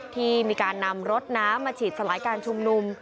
ที่มีการนำรถน้ำมาฉีดสลายการชุมนุม